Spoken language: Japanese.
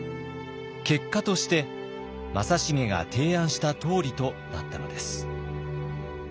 結果として正成が提案したとおりとなったのです。